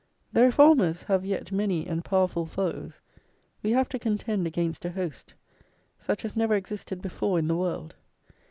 "The Reformers have yet many and powerful foes; we have to contend against a host, such as never existed before in the world.